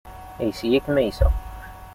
Ayes-iyi ad kem-ayseɣ.